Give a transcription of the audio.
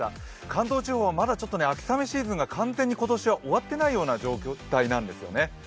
関東地方は、まだ秋雨シーズンが完全に今年は終わっていないような状態なんですよね。